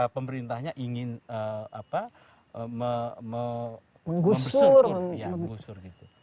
pemerintahnya ingin menggusur